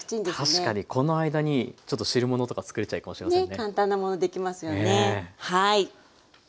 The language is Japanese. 確かにこの間にちょっと汁物とかつくれちゃうかもしれませんね。